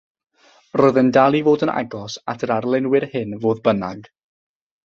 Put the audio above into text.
Roedd e'n dal i fod yn agos at yr arlunwyr hyn, fodd bynnag.